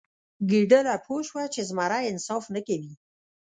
ګیدړه پوه شوه چې زمری انصاف نه کوي.